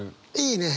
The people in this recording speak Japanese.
いいね！